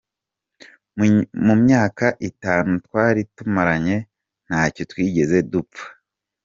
Mu myaka itanu twari tumaranye ntacyo twigeze dupfa.